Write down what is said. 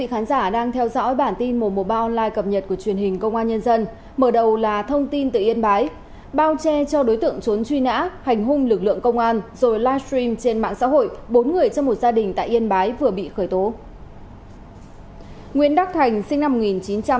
hãy đăng ký kênh để ủng hộ kênh của chúng mình nhé